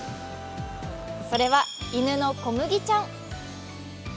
それは、犬のコムギちゃん。